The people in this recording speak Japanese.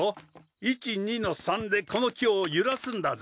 １２の３でこの木を揺らすんだぞ。